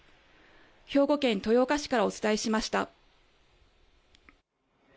兵庫県豊岡市からお伝えしました。